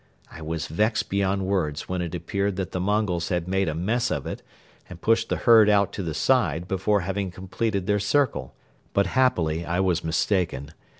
I was vexed beyond words when it appeared that the Mongols had made a mess of it and pushed the herd out to the side before having completed their circle. But happily I was mistaken.